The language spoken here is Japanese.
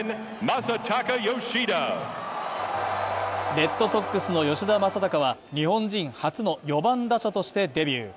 レッドソックスの吉田正尚は日本人初の４番打者としてデビュー。